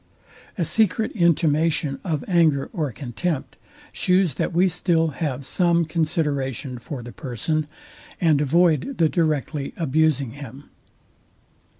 A secret intimation of anger or contempt shews that we still have some consideration for the person, and avoid the directly abusing him.